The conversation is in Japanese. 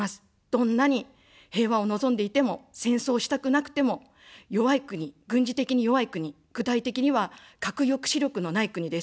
どんなに平和を望んでいても、戦争したくなくても、弱い国、軍事的に弱い国、具体的には核抑止力のない国です。